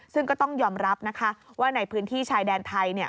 ซึ่งก็ต้องยอมรับนะคะว่าในพื้นที่ชายแดนไทย